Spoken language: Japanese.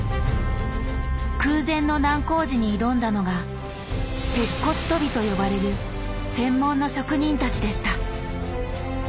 空前の難工事に挑んだのが「鉄骨とび」と呼ばれる専門の職人たちでした。